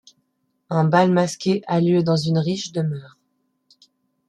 Un bal masqué a lieu dans une riche demeure.